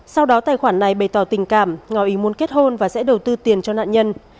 sau đó tài khoản này bày tỏ tình cảm ngò ý muốn kết hôn và sẽ đầu tư tiền cho nạn nhân